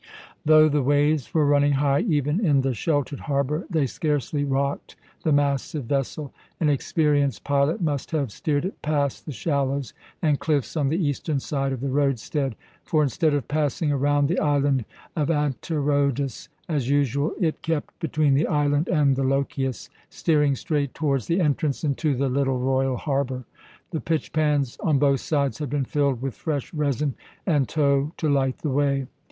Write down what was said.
Though the waves were running high, even in the sheltered harbour, they scarcely rocked the massive vessel. An experienced pilot must have steered it past the shallows and cliffs on the eastern side of the roadstead, for instead of passing around the island of Antirrhodus as usual, it kept between the island and the Lochias, steering straight towards the entrance into the little royal harbour. The pitch pans on both sides had been filled with fresh resin and tow to light the way.